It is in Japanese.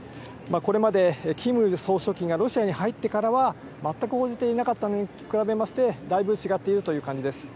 これまでキム総書記がロシアに入ってからは、全く応じていなかったのに比べまして、だいぶ違っているという感